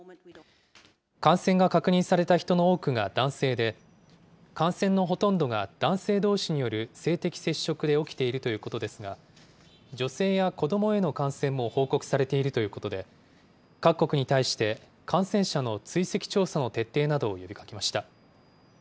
感染が確認された人の多くが男性で、感染のほとんどが男性どうしによる性的接触で起きているということですが、女性や子どもへの感染も報告されているということで、各国に対して感染者の追跡調査の徹底などを呼びかけました。